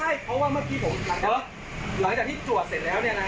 เมื่อกี้ผมก็เขาตรวจอยู่แต่มีเวลามานั่งกินกาแฟไม่ใช่เมื่อกี้ผมแล้วหลายจากที่ตรวจเสร็จแล้วเนี่ยนะฮะ